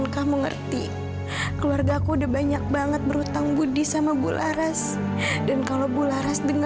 pasti ada yang sengaja gabus file file